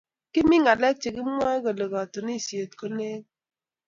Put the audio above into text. Kimii ngalek chekimwoe kole tunishei kolekit